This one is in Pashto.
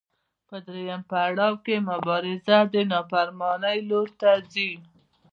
په درېیم پړاو کې مبارزه د نافرمانۍ لور ته ځي.